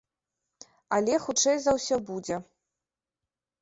Але, хутчэй за ўсё, будзе.